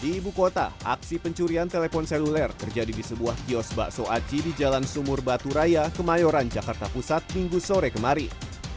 di ibu kota aksi pencurian telepon seluler terjadi di sebuah kios bakso aci di jalan sumur batu raya kemayoran jakarta pusat minggu sore kemarin